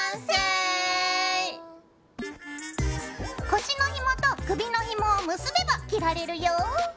腰のひもと首のひもを結べば着られるよ！